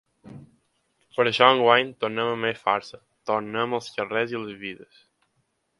Per això, enguany tornem amb més força, tornem als carrers i a les vides.